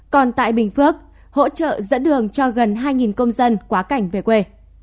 còn tại bình phước hỗ trợ dẫn đường cho gần hai công dân quá cảnh về quê